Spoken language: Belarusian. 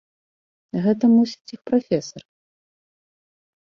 Гэта, мусіць, іх прафесар?